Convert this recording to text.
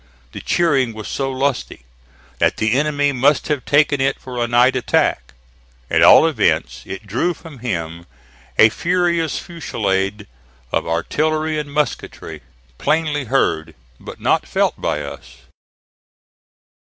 The cheering was so lusty that the enemy must have taken it for a night attack. At all events it drew from him a furious fusillade of artillery and musketry, plainly heard but not felt by us.